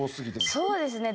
そうですね